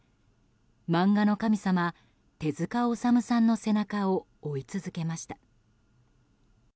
漫画の神様・手塚治虫さんの背中を追い続けました。